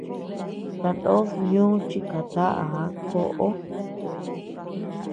Tanod ñó chi kataʼa koʼo.